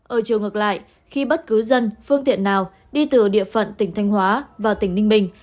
ở chiều ngược lại khi bất cứ dân phương tiện nào đi từ địa phận tỉnh thanh hóa vào tỉnh ninh bình